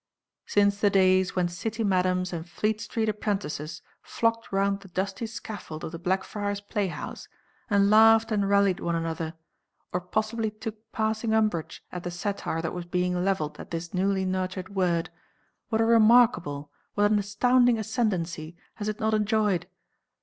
Since the days when City madams and Fleet Street apprentices flocked round the dusty scaffold of the Blackfriars play house, and laughed and rallied one another, or possibly took passing umbrage at the satire that was being levelled at this newly nurtured word, what a remarkable, what an astounding ascendancy has it not enjoyed?